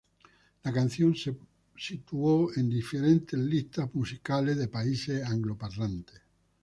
La canción se posicionó en diferentes listas musicales de países angloparlantes.